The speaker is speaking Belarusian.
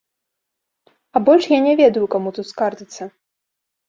А больш я не ведаю, каму тут скардзіцца.